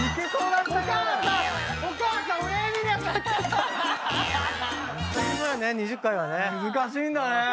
難しいんだね。